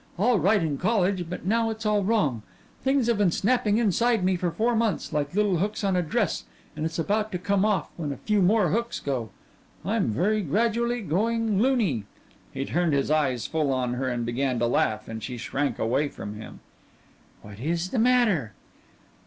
All right in college, but now it's all wrong. Things have been snapping inside me for four months like little hooks on a dress, and it's about to come off when a few more hooks go. I'm very gradually going loony." He turned his eyes full on her and began to laugh, and she shrank away from him. "What is the matter?"